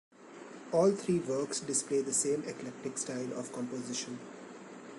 All three works display the same eclectic style of composition.